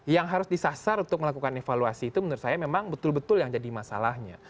jadi harus disasar untuk melakukan evaluasi itu menurut saya memang betul betul yang jadi masalahnya